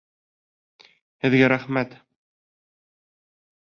Һеҙгә рәхмәт.